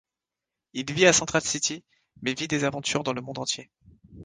Il vit à Central City, mais vit des aventures dans le monde entier.